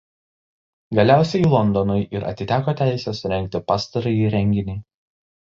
Galiausiai Londonui ir atiteko teisė surengti pastarąjį renginį.